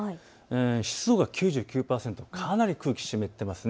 湿度が９９％、かなり空気湿っていますね。